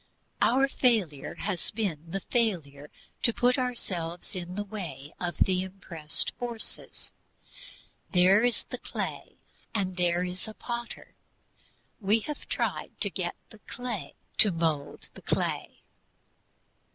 Our failure has been the failure to put ourselves in the way of the impressed forces. There is a clay, and there is a Potter; we have tried to get the clay to mould the clay.